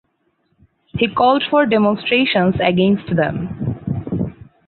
He called for demonstrations against them.